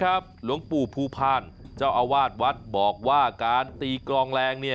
หลวงปู่ภูพาลเจ้าอาวาสวัดบอกว่าการตีกลองแรง